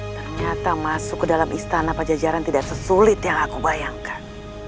ternyata masuk ke dalam istana pajajaran tidak sesulit yang aku bayangkan